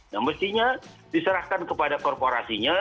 nah mestinya diserahkan kepada korporasinya